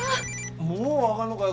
もう分がんのかよ